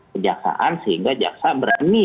kejaksaan sehingga jaksa berani